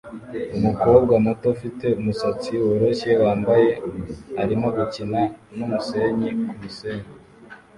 Umukobwa muto ufite umusatsi woroshye wambaye arimo gukina numusenyi kumusenyi